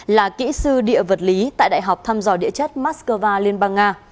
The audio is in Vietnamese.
là kỹ sư địa vật lý tại đại học thăm dò địa chất moscow liên bang nga